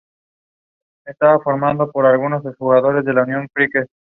En cambio, tuvo que viajar a Belfast para reparaciones.